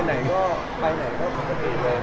แล้วดูแลเขายังไงบ้าง